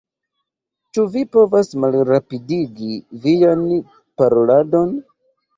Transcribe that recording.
"Ĉu vi povas malrapidigi vian paroladon?"